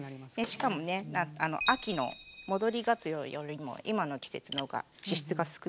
しかもね秋の戻りがつおよりも今の季節の方が脂質が少ないんですよ。